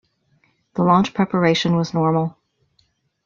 The launch preparation was normal.